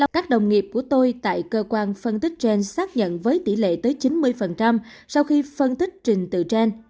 các đồng nghiệp của tôi tại cơ quan phân tích trên xác nhận với tỷ lệ tới chín mươi sau khi phân tích trình tự trên